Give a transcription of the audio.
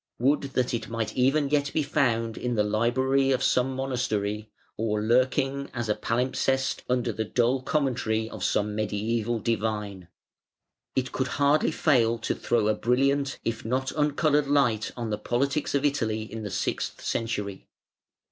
Would that it might even yet be found in the library of some monastery, or lurking as a palimpsest under the dull commentary of some mediæval divine! It could hardly fail to throw a brilliant, if not uncoloured light on the politics of Italy in the sixth century.